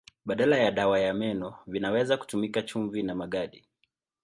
Badala ya dawa ya meno vinaweza kutumika chumvi na magadi.